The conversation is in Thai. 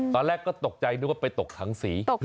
ตอนแรกก็ตกใจนึกว่าไปตกถังสี